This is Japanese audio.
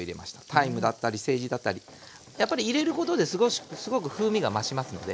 タイムだったりセージだったりやっぱり入れることですごく風味が増しますので。